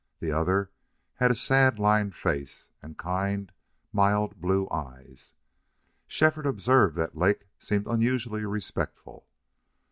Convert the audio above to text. The other had a sad lined face and kind, mild blue eyes. Shefford observed that Lake seemed unusually respectful.